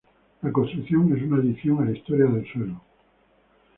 La construcción es una adición a la historia del suelo.